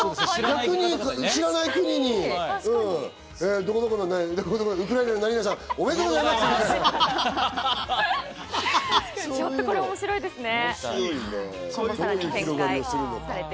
知らない国にどこどこのウクライナの何々さん、おめでとうございますって。